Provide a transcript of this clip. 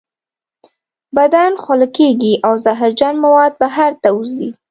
بدن خوله کیږي او زهرجن مواد بهر ته وځي.